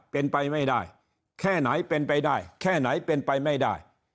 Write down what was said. เป็นไปไม่ได้แค่ไหนเป็นไปได้แค่ไหนเป็นไปไม่ได้